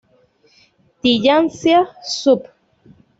Tillandsia subg.